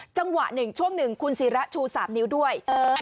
จังหวะหนึ่งช่วงหนึ่งคุณศิระชู๓นิ้วด้วย